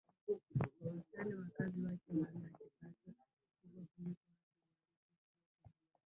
Kwa wastani wakazi wake wana kipato kikubwa kuliko watu wa nchi zote duniani.